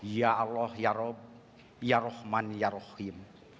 ya allah ya rabb ya rahman ya rahim